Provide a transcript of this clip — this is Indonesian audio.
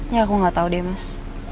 ya aku gak tau deh mas